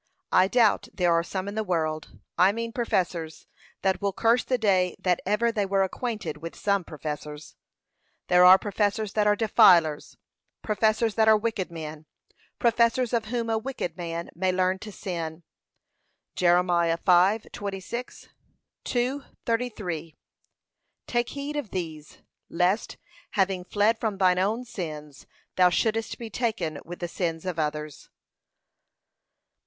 I doubt there are some in the world, I mean professors, that will curse the day that ever they were acquainted with some professors. There are professors that are defilers, professors that are 'wicked men,' professors of whom a wicked man may learn to sin. (Jer. 5:26; 2:33) Take heed of these, lest, having fled from thine own sins, thou shouldest be taken with the sins of others.